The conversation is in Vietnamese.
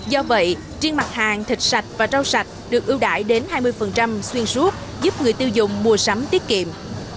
do vậy riêng mặt hàng thịt sạch và rau sạch được ưu đại đến hai mươi xuyên suốt giúp người tiêu dùng mua sắm tiết kiệm